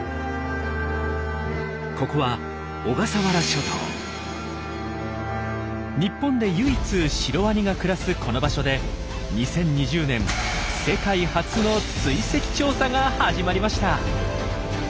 ここは日本で唯一シロワニが暮らすこの場所で２０２０年世界初の追跡調査が始まりました。